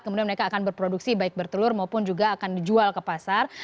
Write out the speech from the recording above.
kemudian mereka akan berproduksi baik bertelur maupun juga akan dijual ke pasar